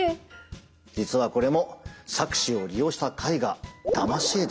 実はこれも錯視を利用した絵画だまし絵です。